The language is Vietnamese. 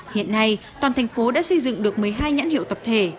hiện nay toàn thành phố đã xây dựng được một mươi hai nhãn hiệu tập thể